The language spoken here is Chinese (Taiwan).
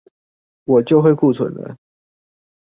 我就會庫存了